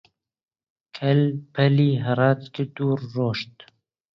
کەل-پەلی هەڕاج کرد و ڕۆیشت